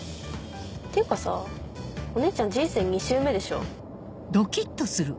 ていうかさお姉ちゃん人生２周目でしょ。